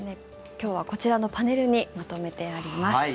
今日はこちらのパネルにまとめてあります。